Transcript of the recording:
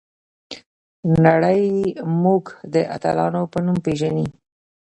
نړۍ موږ د اتلانو په نوم پیژني.